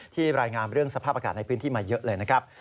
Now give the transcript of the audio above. รายงานเรื่องสภาพอากาศในพื้นที่มาเยอะเลยนะครับ